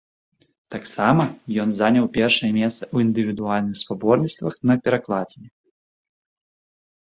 Таксама, ён заняў першае месца ў індывідуальным спаборніцтвах на перакладзіне.